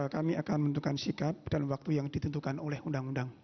kami akan menentukan sikap dan waktu yang ditentukan oleh undang undang